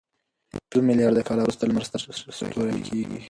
پنځه میلیارد کاله وروسته لمر ستر سره ستوری کېږي.